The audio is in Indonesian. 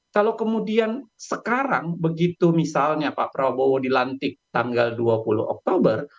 kalau kemudian sekarang begitu misalnya pak prabowo dilantik tanggal dua puluh oktober